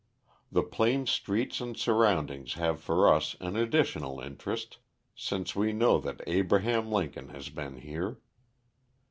The plain streets and surroundings have for us an additional interest, since we know that Abraham Lincoln has been here.